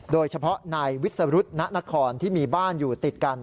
โดยเฉพาะนายวิสรุธณนครที่มีบ้านอยู่ติดกัน